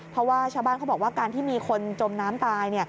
เพราะว่าชาวบ้านเขาบอกว่าการที่มีคนจมน้ำตาย